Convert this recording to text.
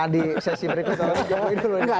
di sesi berikutnya